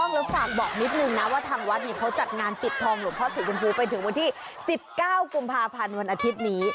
แล้วฝากบอกนิดนึงนะว่าทางวัดเนี่ยเขาจัดงานปิดทองหลวงพ่อสีชมพูไปถึงวันที่๑๙กุมภาพันธ์วันอาทิตย์นี้